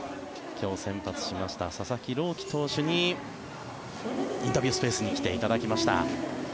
今日、先発しました佐々木朗希投手にインタビュースペースに来ていただきました。